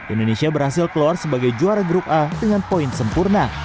indonesia berhasil keluar sebagai juara grup a dengan poin sempurna